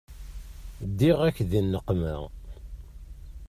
Ddiɣ-ak di nneqma.